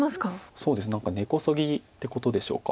そうですね何か根こそぎってことでしょうか。